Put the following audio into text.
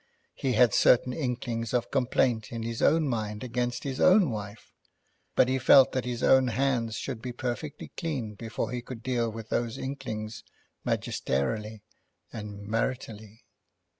He had certain inklings of complaint in his own mind against his own wife, but he felt that his own hands should be perfectly clean before he could deal with those inklings magisterially and maritally.